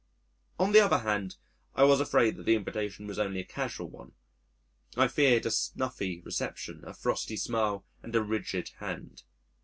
On the other hand, I was afraid that the invitation was only a casual one, I feared a snuffy reception, a frosty smile and a rigid hand.